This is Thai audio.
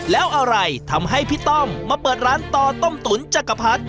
แล้วอะไรทำให้พี่ต้อมมาเปิดร้านต่อต้มตุ๋นจักรพรรดิ